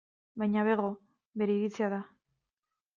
Baina bego, bere iritzia da.